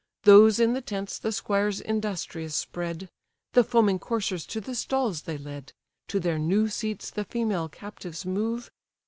Those in the tents the squires industrious spread: The foaming coursers to the stalls they led; To their new seats the female captives move.